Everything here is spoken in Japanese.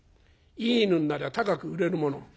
いい犬になりゃ高く売れるもの」。